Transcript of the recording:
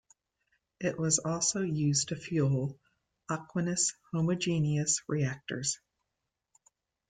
It was also used to fuel aqueous Homogeneous Reactors.